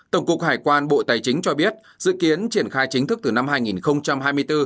tổng cục hải quan bộ tài chính cho biết dự kiến triển khai chính thức từ năm hai nghìn hai mươi bốn